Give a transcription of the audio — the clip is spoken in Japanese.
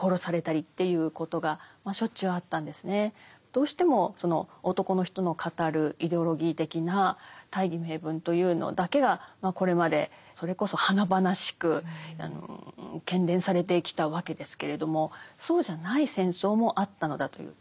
どうしてもその男の人の語るイデオロギー的な大義名分というのだけがこれまでそれこそ華々しく喧伝されてきたわけですけれどもそうじゃない戦争もあったのだという。